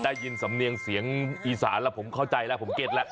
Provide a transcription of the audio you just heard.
ได้ยินสำเนียงเสียงอีสานแล้วผมเข้าใจแล้วผมเก็ตแล้ว